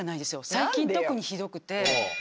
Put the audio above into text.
最近特にひどくて。